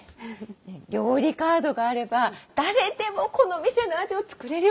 料理カードがあれば誰でもこの店の味を作れるようになるんですって！